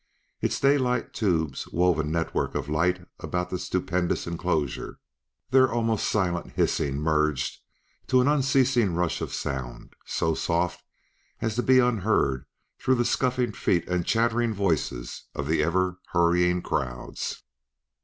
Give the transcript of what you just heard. Its daylight tubes wove a network of light about the stupendous enclosure, their almost silent hissing merged to an unceasing rush of sound, so soft as to be unheard through the scuffing feet and chattering voices of the ever hurrying crowds.